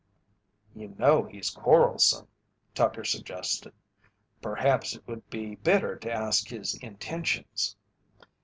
"You know he's quarrelsome," Tucker suggested. "Perhaps it would be better to ask his intentions."